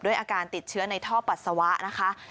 อาการติดเชื้อในท่อปัสสาวะนะคะ